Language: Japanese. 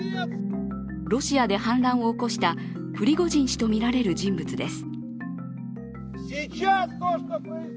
ロシアで反乱を起こしたプリゴジン氏とみられる人物です。